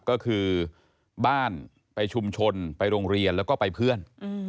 ก็คือบ้านไปชุมชนไปโรงเรียนแล้วก็ไปเพื่อน